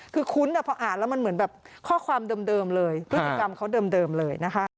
คือคุ้นพออ่านแล้วมันเหมือนแบบข้อความเดิมเลยพฤติกรรมเขาเดิมเลยนะคะ